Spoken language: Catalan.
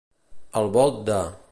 Al volt de.